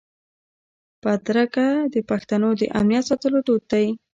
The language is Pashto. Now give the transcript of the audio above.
بدرګه د پښتنو د امنیت ساتلو دود دی.